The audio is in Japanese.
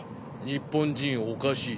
日本人おかしい。